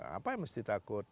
apa yang mesti takut